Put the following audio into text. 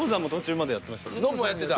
ノブもやってた。